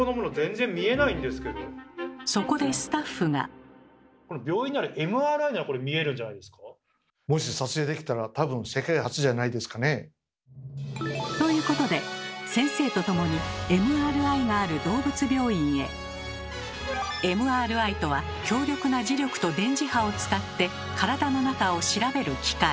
そこでスタッフが。ということで先生と共にＭＲＩとは強力な磁力と電磁波を使って体の中を調べる機械。